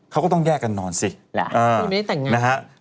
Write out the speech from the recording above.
เขาก็ต้องแยกกันนอนสิไม่ได้แต่งงานนะฮะ